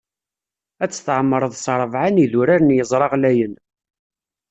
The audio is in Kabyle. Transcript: Ad tt-tɛemmreḍ s ṛebɛa n idurar n yeẓra ɣlayen.